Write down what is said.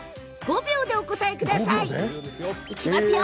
５秒でお答えくださいね。